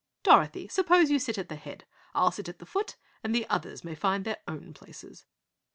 Dorothy, suppose you sit at the head. I'll sit at the foot and the others may find their own places."